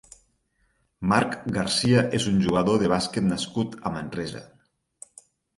Marc García és un jugador de bàsquet nascut a Manresa.